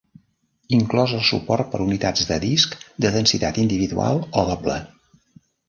Inclòs el suport per a unitats de disc de densitat individual o doble.